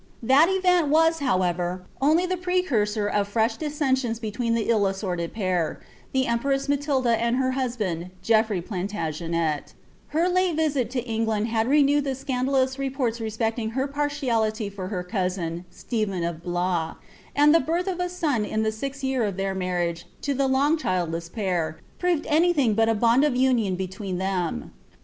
That event was, however, only ^ precursor of fresh dissensions between that ill assorted pair, the empKH Matilda and her husband, Geoffrey Plantagenet Her late visit to Eit| land had renewed the scandalous reports respecting her partiality for ha cousin, Stephen of Blois ; and the birih of a son in the sizOi rear of tlieir marriage to the long childless pair proved anything but tt oond rf union between them.